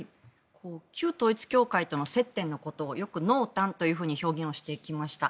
旧統一教会との接点のことをよく濃淡というふうに表現をしてきました。